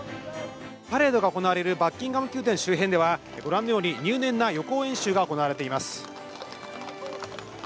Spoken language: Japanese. パレードが行われるバッキンガム宮殿周辺では、ご覧のように入念な予行演習が行われています。